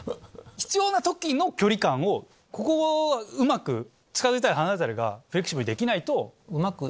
必要な時の距離感をここうまく近づいたり離れたりがフレキシブルにできないと。